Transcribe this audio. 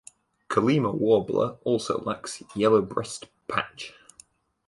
Colima Warbler also lacks yellow breast patch.